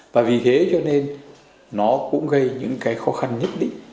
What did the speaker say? và vì thế cho nên nó cũng gây những cái khó khăn nhất định